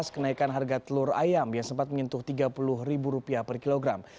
kenaikan harga telur ayam yang sempat menyentuh rp tiga puluh per kilogram